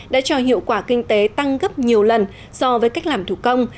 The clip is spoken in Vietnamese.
đã cho hiệu quả kinh tế tăng gấp nhiều lần so với cách làm thủ công